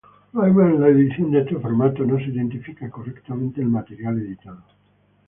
Además, en la edición en este formato, no se identifica correctamente el material editado.